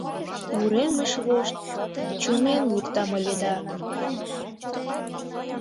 — Уремыш вошт чумен луктам ыле да...